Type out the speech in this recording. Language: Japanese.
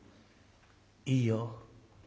いいよ。